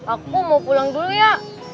aku mau pulang dulu ya